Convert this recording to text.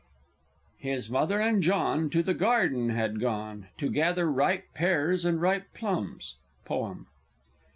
"His Mother and John, To the garden had gone, To gather ripe pears and ripe plums." _Poem.